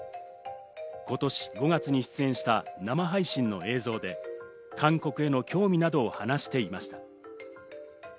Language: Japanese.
今年５月に出演した生配信の映像で、韓国への興味などを話していました。